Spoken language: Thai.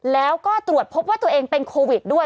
แล้วก็ตรวจพบว่าตัวเองเป็นโควิดด้วย